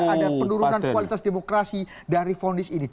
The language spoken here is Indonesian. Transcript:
ada penurunan kualitas demokrasi dari fonis ini